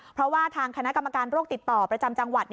เพราะว่าทางคณะกรรมการโรคติดต่อประจำจังหวัด